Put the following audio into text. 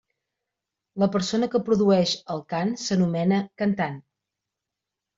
La persona que produeix el cant s'anomena cantant.